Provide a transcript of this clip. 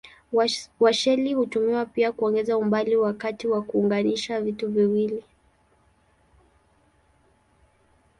Washeli hutumiwa pia kuongeza umbali wakati wa kuunganisha vitu viwili.